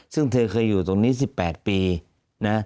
ซึ่งเธอเคยอยู่ตรงนี้๑๘ปีนะ